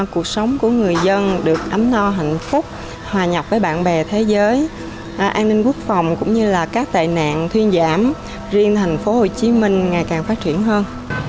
cuộc sống của người dân được ấm no hạnh phúc hòa nhập với bạn bè thế giới an ninh quốc phòng cũng như là các tệ nạn thuyên giảm riêng thành phố hồ chí minh ngày càng phát triển hơn